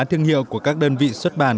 thương hiệu của các đơn vị xuất bản